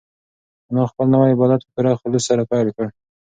انا خپل نوی عبادت په پوره خلوص سره پیل کړ.